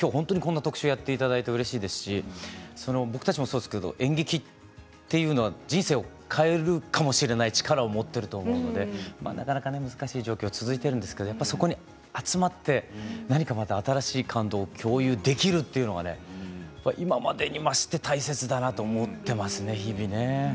こんな特集をやっていただいてうれしいですし演劇っていうのは人生を変えるかもしれない力を持っていると思うのでなかなか難しい状況が続いているんですけどそこに集まって何か新しい感動を共有できるというのが今までに増して大切だなと思っていますね、日々。